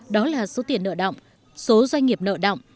đó là số tiền nợ động số doanh nghiệp nợ động